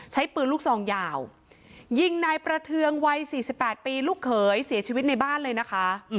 ใช้ปืนลูกซองยาวยิงนายประเทืองวัย๔๘ปีลูกเขยเสียชีวิตในบ้านเลยนะคะ